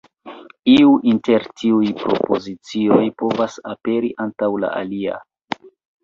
Iu inter tiuj propozicioj povas aperi antaŭ la alia.